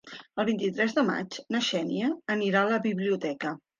El vint-i-tres de maig na Xènia anirà a la biblioteca.